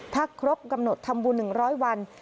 พักครบกำหนดทำบุหนึ่งร้อยวัน